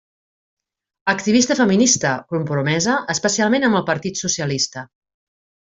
Activista feminista compromesa, especialment amb el Partit Socialista.